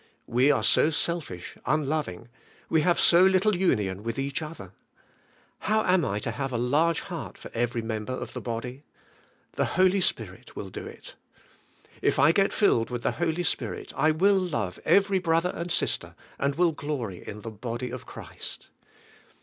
We are so self ish, unloving; we have so little union with each other. How am I to have a large heart for every member of the body? The Holy Spirit will do it. If I get filled with the Holy Spirit I will love every brother and sister, and will glory in the body of Christ.